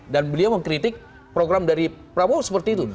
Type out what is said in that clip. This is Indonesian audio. dan beliau mengkritik program dari prabowo seperti itu